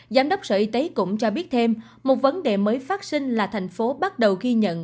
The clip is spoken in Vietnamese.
giám đốc sở y tế cũng cho biết thêm một vấn đề mới phát sinh là thành phố bắt đầu ghi nhận